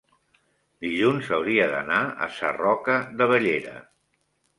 dilluns hauria d'anar a Sarroca de Bellera.